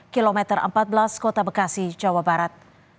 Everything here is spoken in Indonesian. kilometer empat belas kota bekasi jawa barat